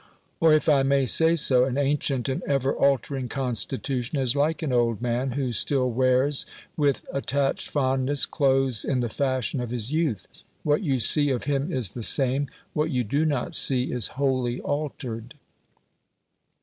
Or, if I may say so, an ancient and ever altering constitution is like an old man who still wears with attached fondness clothes in the fashion of his youth: what you see of him is the same; what you do not see is wholly altered.